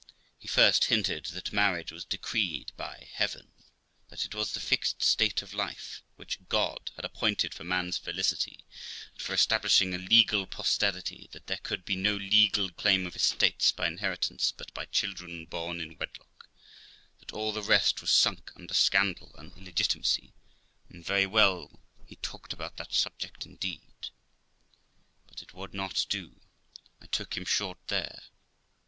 He first hinted that marriage was decreed by Heaven ; that it was the fixed state of life, which God had appointed for man's felicity, and for establishing a legal posterity ; that there could be no legal claim of estates by inheritance but by children born in wedlock ; that all the rest was sunk under scandal and illegitimacy ; and very well he talked upon that subject indeed. But it would not do ; I took him short there.